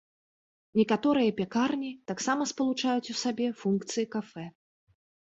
Некаторыя пякарні таксама спалучаюць у сабе функцыі кафэ.